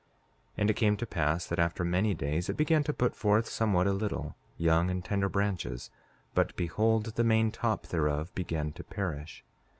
5:6 And it came to pass that after many days it began to put forth somewhat a little, young and tender branches; but behold, the main top thereof began to perish.